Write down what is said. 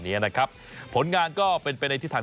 นี้นะครับผลงานก็เป็นไปในทิศทาง